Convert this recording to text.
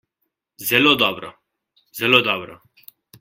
Zelo dobro, zelo dobro.